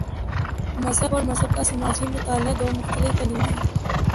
مذہب اور مذہب کا سماجی مطالعہ دو مختلف علوم ہیں۔